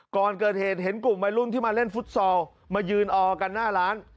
ก่อนเกิดเหตุเห็นกลุ่มวัยรุ่นที่มาเล่นฟุตซอลมายืนออกันหน้าร้าน